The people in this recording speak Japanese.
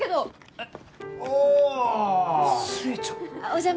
えっ？